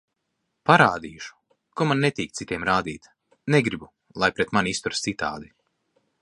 Parādīšu, ko man netīk citiem rādīt, negribu, lai pret mani izturas citādi.